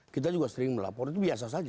kita juga sering melapor itu biasa saja